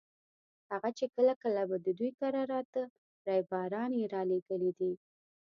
هغه چې کله کله به د دوی کره راته ريباران یې رالېږلي دي.